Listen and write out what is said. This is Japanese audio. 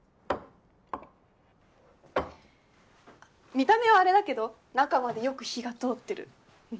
見た目はアレだけど中までよく火が通ってる。